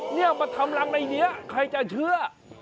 เนี่ยมาทำรังในนี้ใครจะเชื่อ